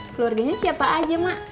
keluarganya siapa aja mak